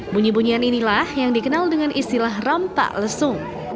bunyi bunyian inilah yang dikenal dengan istilah rampak lesung